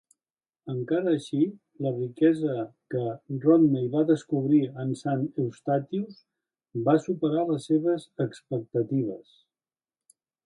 Encara així, la riquesa que Rodney va descobrir en Saint Eustatius va superar les seves expectatives.